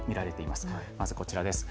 まずこちらです。